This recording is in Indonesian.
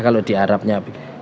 kalau di arabnya